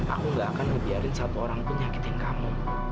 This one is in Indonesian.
aku gak akan ngebiarin satu orang pun nyakitin kamu